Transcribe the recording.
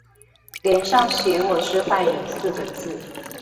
臉上寫我是壞人四個字